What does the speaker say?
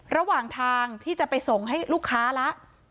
ระหว่างทางที่จะไปส่งให้ลูกค้าละ